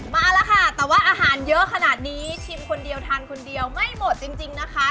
มาแล้วค่ะแต่ว่าอาหารเยอะขนาดนี้ชิมคนเดียวทานคนเดียวไม่หมดจริงนะคะ